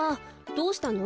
どうしたの？